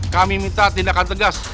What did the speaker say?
kami minta tindakan tegas